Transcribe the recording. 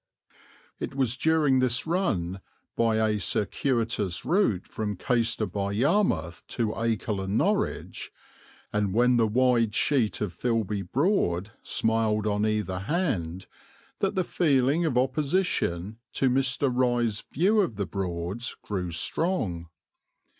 It was during this run by a circuitous route from Caister by Yarmouth to Acle and Norwich, and when the wide sheet of Filby Broad smiled on either hand, that the feeling of opposition to Mr. Rye's view of the Broads grew strong.